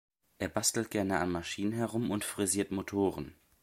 Er bastelt gerne an Maschinen herum und frisiert Motoren.